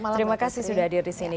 terima kasih sudah hadir di sini